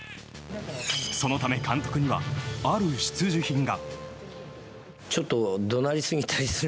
そのため、監督にはある必需品が。